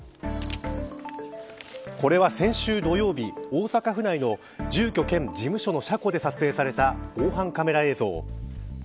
これは、先週土曜日大阪府内の住居兼事務所の車庫で撮影された防犯カメラ映像。